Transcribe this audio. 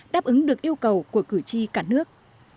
đáp ứng được yêu cầu của cử tri cả nước